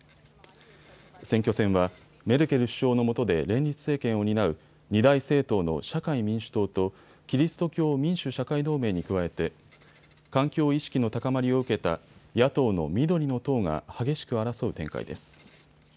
選挙戦はメルケル首相のもとで連立政権を担う二大政党の社会民主党とキリスト教民主・社会同盟に加えて環境意識の高まりを受けた野党の緑の党が激しく争う展開です。